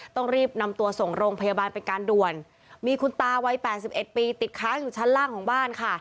ต้องรีบนำตัวส่งโรงพยาบาลเป็นการด่วนมีคุณตาวัยแปดสิบเอ็ดปีติดค้างอยู่ชั้นล่างของบ้านค่ะ